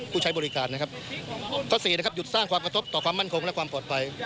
ผู้ใช้บริการนะครับข้อสี่นะครับหยุดสร้างความกระทบต่อความมั่นคงและความปลอดภัย